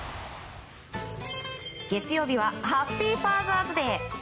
月曜日はハッピー・ファザーズデー。